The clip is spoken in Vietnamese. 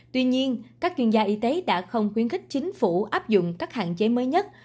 tuy nhiên các chuyên gia y tế đã không khuyến khích chính phủ áp dụng các hạn chế mới nhất